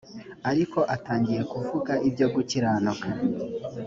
ariko atangiye kuvuga ibyo gukiranuka.